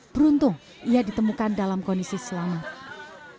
beruntung ia ditemukan dalam kondisi selamat